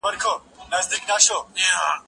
د کتابتون د کار مرسته د مور له خوا کيږي!؟